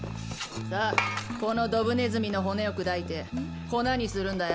さあこのドブネズミの骨を砕いて粉にするんだよ。